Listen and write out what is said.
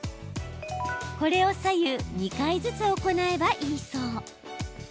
これを左右、２回ずつ行えばいいそう。